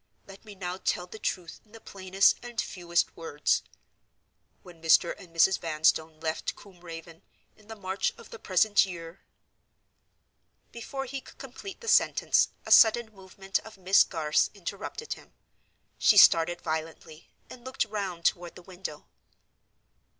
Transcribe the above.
Let me now tell the truth in the plainest and fewest words. When Mr. and Mrs. Vanstone left Combe Raven, in the March of the present year—" Before he could complete the sentence, a sudden movement of Miss Garth's interrupted him. She started violently, and looked round toward the window.